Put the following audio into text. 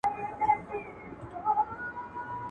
په زړه سخت ظالمه یاره سلامي ولاړه ومه.